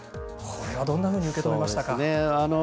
これは、どんなふうに受け止めましたか？